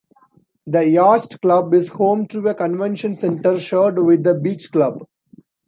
The Yacht Club is home to a Convention Center shared with the Beach Club.